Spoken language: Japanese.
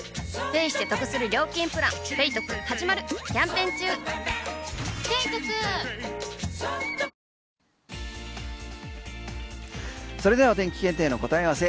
ペイトクそれではお天気検定の答え合わせ